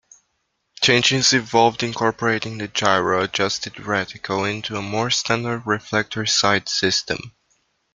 Changes involved incorporating the gyro adjusted reticle into a more standard reflector sight system.